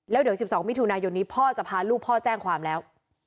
แล้วเดี๋ยว๑๒มิถุนายนนี้พ่อจะพาลูกพ่อแจ้งความแล้ว